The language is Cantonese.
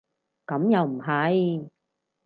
咁又唔係